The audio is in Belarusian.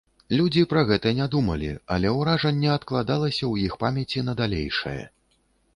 Людзі пра гэта не думалі, але ўражанне адкладалася ў іх памяці на далейшае.